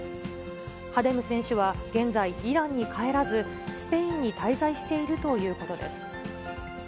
ハデム選手は現在、イランに帰らず、スペインに滞在しているということです。